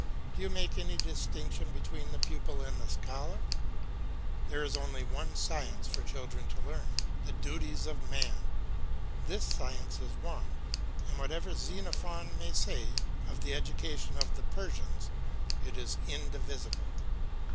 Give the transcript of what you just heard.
Do you make any distinction between the pupil and the scholar? There is only one science for children to learn the duties of man. This science is one, and, whatever Xenophon may say of the education of the Persians, it is indivisible.